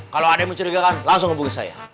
kalau ada yang mencurigakan langsung hubungi saya